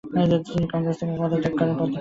তিনি কংগ্রেস থেকে পদত্যাগ করেন।